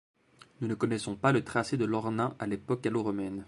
Nous ne connaissons pas le tracé de l'Ornain à l'époque gallo-romaine.